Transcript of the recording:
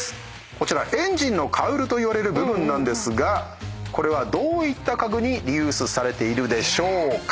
こちらエンジンのカウルといわれる部分なんですがこれはどういった家具にリユースされているでしょうか？